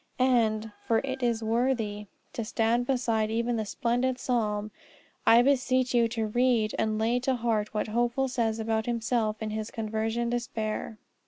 And for it is worthy to stand beside even that splendid psalm, I beseech you to read and lay to heart what Hopeful says about himself in his conversion despair.